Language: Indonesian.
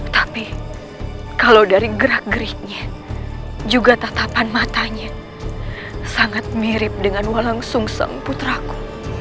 tapi kalau dari gerak geriknya juga tatapan matanya sangat mirip dengan walang sungsang putraku